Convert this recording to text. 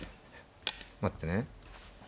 待ってね。